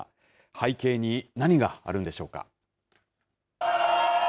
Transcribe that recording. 背景に何があるんでしょうか。